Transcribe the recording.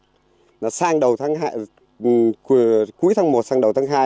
cuối tháng một sang đầu tháng hai là cái thời gian nó dép nó kéo dài